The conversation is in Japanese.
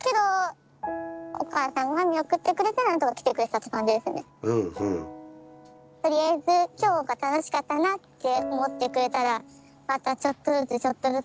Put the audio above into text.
とりあえず今日が楽しかったなって思ってくれたらまたちょっとずつちょっとずつ。